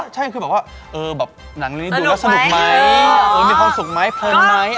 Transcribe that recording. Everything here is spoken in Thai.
ใช่คือแบบว่าหนังนี้ดูแล้วสนุกไหมมีความสุขไหมเพลินไหม